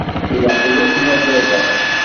Ilaq-iyi ad kem-agadeɣ?